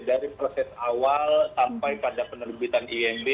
dari proses awal sampai pada penerbitan imb